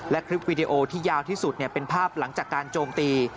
และคลิปวีดีโอที่ยาวที่สุดเป็นภาพหลังจากการโจมตี